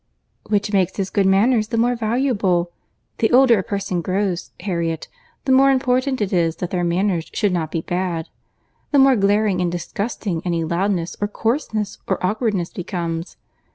"Which makes his good manners the more valuable. The older a person grows, Harriet, the more important it is that their manners should not be bad; the more glaring and disgusting any loudness, or coarseness, or awkwardness becomes.